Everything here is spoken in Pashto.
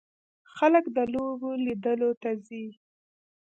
خلک د لوبو لیدلو ته ځي.